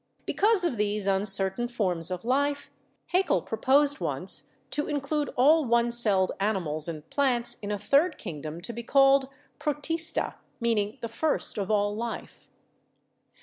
Because of these uncertain forms of life, Haeckel proposed once to include all one celled animals and plants in a third kingdom to be called Protista (meaning the first of all life).